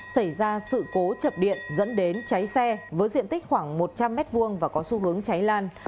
xảy ra sự cố chập điện dẫn đến cháy xe với diện tích khoảng một trăm linh m hai và có xu hướng cháy lan